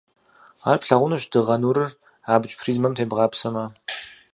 Ар плъэгъунущ дыгъэ нурыр абдж призмэм тебгъапсэмэ.